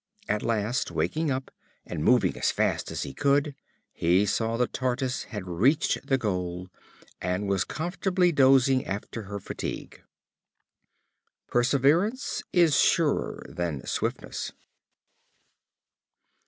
At last waking up, and moving as fast as he could, he saw the Tortoise had reached the goal, and was comfortably dozing after her fatigue. Perseverance is surer than swiftness.